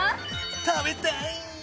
食べたい！